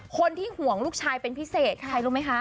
คนที่ห่วงลูกชายเป็นพิเศษใครรู้ไหมคะ